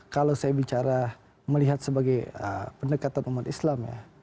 kalau saya bicara melihat sebagai pendekatan umat islam ya